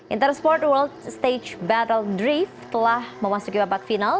intersport world stage battle drift telah memasuki babak final